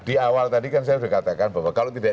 di awal tadi kan saya sudah katakan bahwa kalau tidak